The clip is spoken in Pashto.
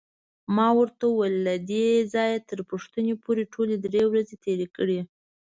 ما ورته وویل: له دې ځایه تر پوښتنې پورې ټولې درې ورځې تېرې کړې.